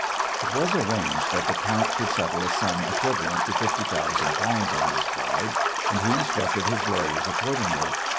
It was arranged that the count should settle a sum equivalent to fifty thousand pounds on his bride, and he instructed his lawyers accordingly.